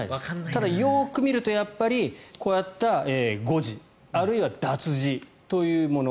ただ、よく見るとやっぱりこういった誤字あるいは脱字というもの